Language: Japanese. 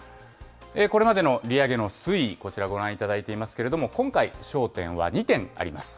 これまでの利上げの推移、こちら、ご覧いただいていますけれども、今回、焦点は２点あります。